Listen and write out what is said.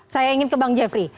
saya ingin ke bang jeffrey